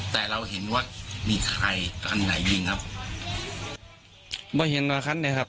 แต่เราเห็นว่ามีใครคันไหนยิงครับมาเห็นหลายคันเลยครับ